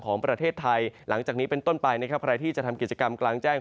ของประเทศไทยหลังจากนี้เป็นต้นไปนะครับใครที่จะทำกิจกรรมกลางแจ้ง